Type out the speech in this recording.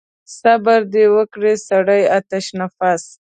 صبر دې وکړي سړی آتش نفس.